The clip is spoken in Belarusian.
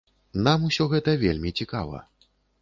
Нам усё гэта вельмі цікава.